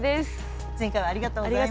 前回はありがとうございました。